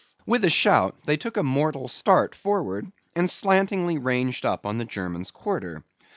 With a shout, they took a mortal start forwards, and slantingly ranged up on the German's quarter.